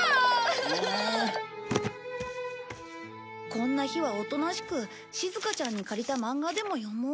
こんな日はおとなしくしずかちゃんに借りたマンガでも読もう。